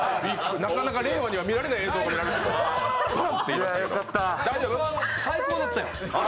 なかなか令和には見られない映像が見られた。